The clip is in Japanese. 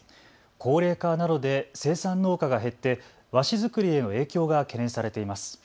高齢化などで生産農家が減って和紙作りへの影響が懸念されています。